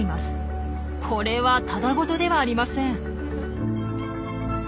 これはただごとではありません。